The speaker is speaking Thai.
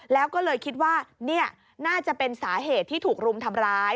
แล้วก็เลยคิดว่านี่น่าจะเป็นสาเหตุที่ถูกรุมทำร้าย